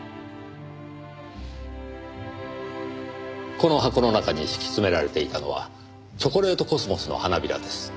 この箱の中に敷き詰められていたのはチョコレートコスモスの花びらです。